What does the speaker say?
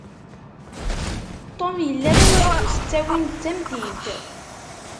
Tom yella d ameḥbus ttawin d tamtilt.